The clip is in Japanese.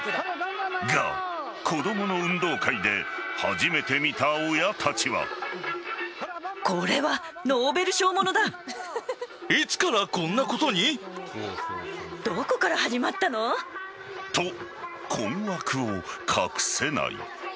が、子供の運動会で初めて見た親たちは。と、困惑を隠せない。